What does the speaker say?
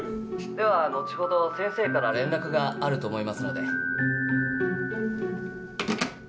では後ほど先生から連絡があると思いますので。